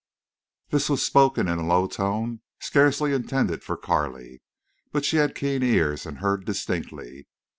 This was spoken in a low tone, scarcely intended for Carley, but she had keen ears and heard distinctly.